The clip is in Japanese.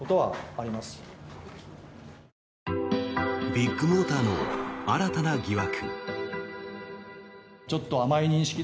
ビッグモーターの新たな疑惑。